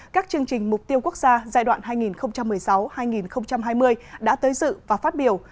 các chương trình mục tiêu quốc gia giai đoạn hai nghìn một mươi sáu hai nghìn hai mươi đã tới dự và phát biểu